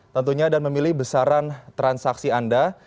tentunya dan memilih besaran transaksi anda